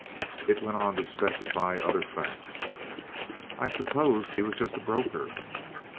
It went on to specify other facts. "I supposed he was just a broker."